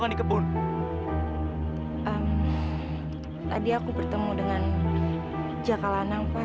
kalau sejujurnya once lagi kau mengeluarkan jelmah depuis jawa tengah